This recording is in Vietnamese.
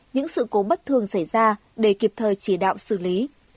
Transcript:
những sự cố bất thường xảy ra để kịp thời chỉ đạo xử lý